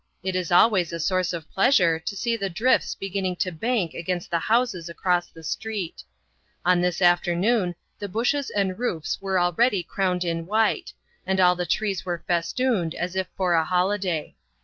It is always a source of pleasure to see the drifts beginning to bank against the houses across the street On this afternoon the bushes and roofs were already crowned in white, and all the trees were festooned as if for a holiday.